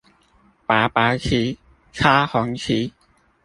拔白旗、插紅旗